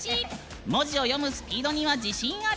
文字を読むスピードには自信あり。